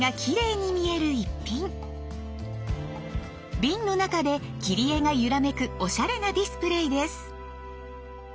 瓶の中で切り絵が揺らめくおしゃれなディスプレーです。